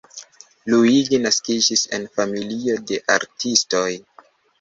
Luigi naskiĝis en familio de artistoj.